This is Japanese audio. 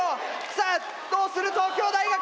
さあどうする東京大学！